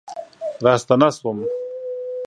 راستنه شوم